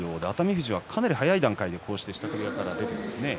富士は、かなり早い段階で支度部屋から出てきますね。